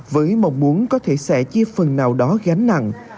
với mong muốn có thể sẽ chia phần nào đó gánh nặng